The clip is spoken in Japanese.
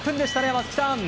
松木さん。